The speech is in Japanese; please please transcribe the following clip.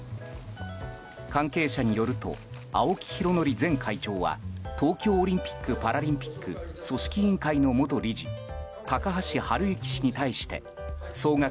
関係者によると青木拡憲前会長は東京オリンピック・パラリンピック組織委員会の元理事高橋治之氏に対して総額